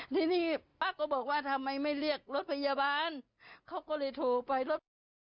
ทีนี้ป้าก็บอกว่าทำไมไม่เรียกรถพยาบาลเขาก็เลยโทรไปรถพยาบาล